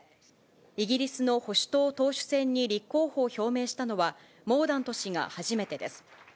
イギリスの保守党党首選に立候補を表明したのは、モーダント氏が初めてです。